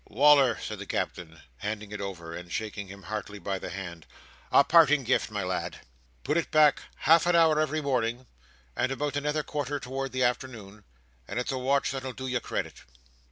"Wal"r," said the Captain, handing it over, and shaking him heartily by the hand, "a parting gift, my lad. Put it back half an hour every morning, and about another quarter towards the arternoon, and it's a watch that'll do you credit."